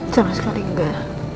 sama sekali enggak